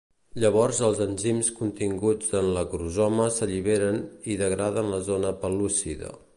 Llavors els enzims continguts en l'acrosoma s'alliberen i degraden la zona pel·lúcida.